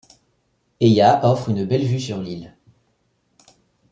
Heia offre une belle vue sur l'île.